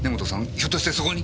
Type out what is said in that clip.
ひょっとしてそこに？